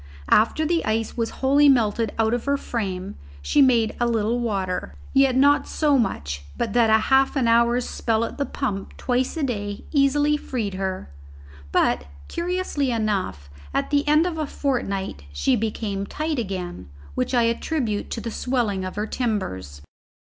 After the ice was wholly melted out of her frame she made a little water, yet not so much but that half an hour's spell at the pump twice a day easily freed her. But, curiously enough, at the end of a fortnight she became tight again, which I attribute to the swelling of her timbers.